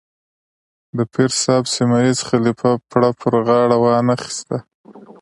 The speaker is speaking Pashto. د پیر صاحب سیمه ییز خلیفه پړه پر غاړه وانه اخیسته.